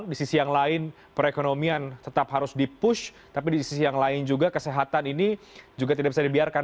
di sisi yang lain perekonomian tetap harus di push tapi di sisi yang lain juga kesehatan ini juga tidak bisa dibiarkan